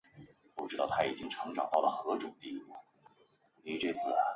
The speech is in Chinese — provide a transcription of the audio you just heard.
肝炎是描述肝脏发炎的现象。